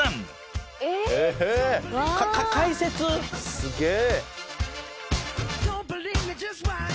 すげえ。